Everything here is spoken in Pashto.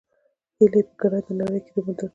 هیلۍ په ګرده نړۍ کې موندل کېږي